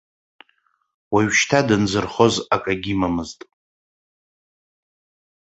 Уажәшьҭа дынзырхоз акгьы имамызт.